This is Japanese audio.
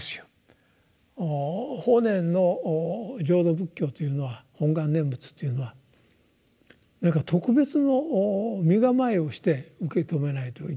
法然の浄土仏教というのは本願念仏というのは何か特別の身構えをして受け止めないといけないのかと思う必要はないんですね。